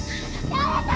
誰か！